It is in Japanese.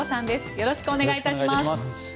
よろしくお願いします。